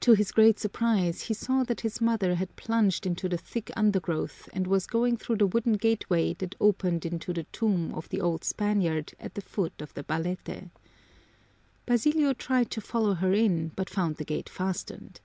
To his great surprise he saw that his mother had plunged into the thick undergrowth and was going through the wooden gateway that opened into the tomb of the old Spaniard at the foot of the balete. Basilio tried to follow her in, but found the gate fastened.